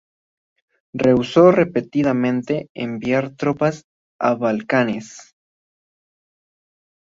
Rehusó repetidamente enviar tropas a los Balcanes.